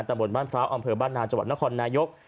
บนบ้านพร้าวอำเภอบ้านนาจังหวัดนครนายก